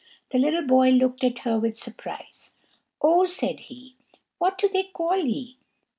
The little boy looked at her with surprise. "Oh!" said he; "what do they call ye?"